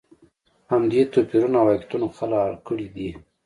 همدې توپیرونو او واقعیتونو خلک اړ کړي دي.